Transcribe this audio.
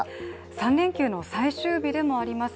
３連休の最終日でもあります。